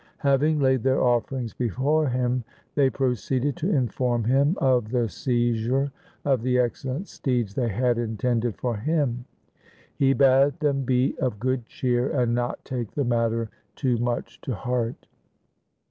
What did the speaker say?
Having laid their offerings before him they proceeded to inform him of the seizure of the excellent steeds they had intended for him. He bade them be of good cheer and not take the matter too much to heart.